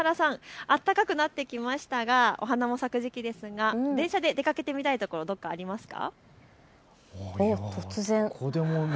井上さん、上原さん、暖かくなってきましたがお花も咲く時期ですが電車で出かけてみたい所、どこかありますか。